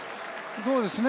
そうですね。